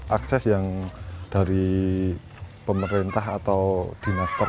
akses yang dari pemerintah atau dinastor